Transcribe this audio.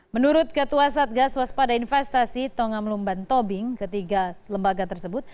menurut ketua satgas waspada investasi tongam lumban tobing ketiga lembaga tersebut